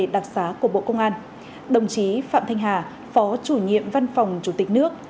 đặc xá của bộ công an đồng chí phạm thanh hà phó chủ nhiệm văn phòng chủ tịch nước